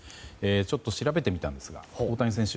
ちょっと調べてみたんですが大谷選手